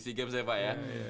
sea games ya pak ya